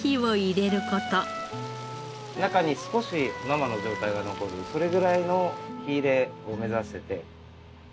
中に少し生の状態が残るそれぐらいの火入れを目指してて。